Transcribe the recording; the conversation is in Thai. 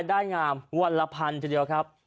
ได้งามวันละพันทีเดียวครับ